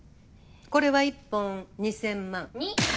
これは１本２，０００万。